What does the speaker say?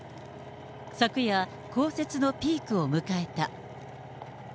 昨夜、降雪のピークを迎えた。